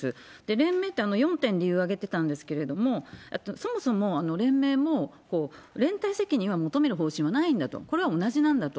連盟って４点理由を挙げてたんですけれども、そもそも連盟も、連帯責任を求める方針はないんだと、これは同じなんだと。